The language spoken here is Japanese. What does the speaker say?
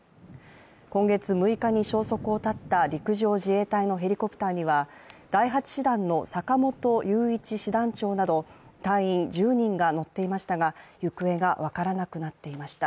今月６日に消息を絶った陸上自衛隊のヘリコプターには、第８師団の坂本師団長など隊員１０人が乗っていましたが、行方が分からなくなっていました。